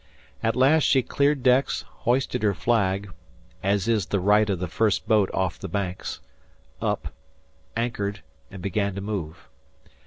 At last she cleared decks, hoisted her flag, as is the right of the first boat off the Banks, up anchored, and began to move.